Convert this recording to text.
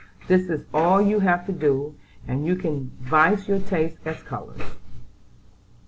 This is all you have to do, and you can use your taste as to colors."